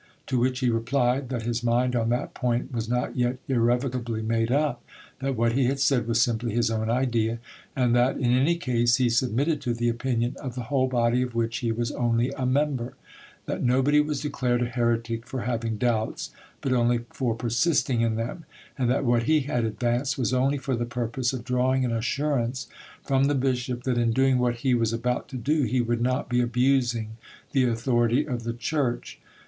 To which he replied that his mind on that point was not yet irrevocably made up, that what he had said was simply his own idea, and that in any case he submitted to the opinion of the whole body of which he was only a member; that nobody was declared a heretic for having doubts, but only for persisting in them, and that what he had advanced was only for the purpose of drawing an assurance from the bishop that in doing what he was about to do he would not be abusing the authority of the Church.